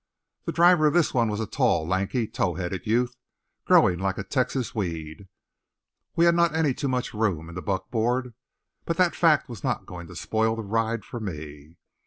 The driver of this one was a tall, lanky, tow headed youth, growing like a Texas weed. We had not any too much room in the buckboard, but that fact was not going to spoil the ride for me.